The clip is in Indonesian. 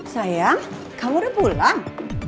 sayang kamu udah pulang